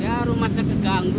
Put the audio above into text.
ya rumah sangat keganggu